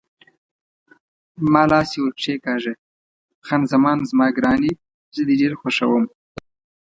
ما لاس یې ور کښېکاږه: خان زمان زما ګرانې، زه دې ډېر خوښوم.